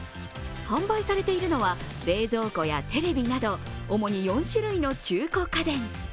販売されているのは冷蔵庫やテレビなど、主に４種類の中古家電。